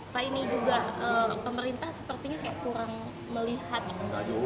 pak ini juga pemerintah sepertinya kayak kurang melihat